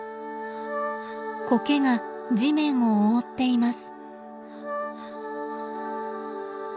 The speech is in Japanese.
コケが地面を覆っています。